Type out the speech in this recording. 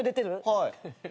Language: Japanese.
はい。